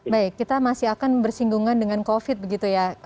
baik kita masih akan bersinggungan dengan covid begitu ya